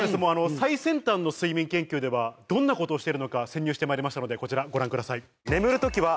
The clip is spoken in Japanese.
最先端の睡眠研究ではどんなことをしてるのか潜入してまいりましたのでこちらご覧ください。